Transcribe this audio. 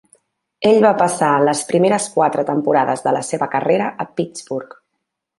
Ell va passar les primeres quatre temporades de la seva carrera a Pittsburgh.